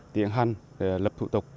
tiến hành lập thủ tục